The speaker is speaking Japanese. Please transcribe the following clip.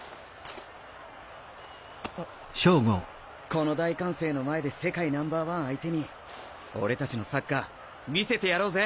この大歓声の前で世界ナンバー１相手に俺たちのサッカー見せてやろうぜ！